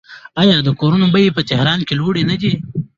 آیا د کورونو بیې په تهران کې لوړې نه دي؟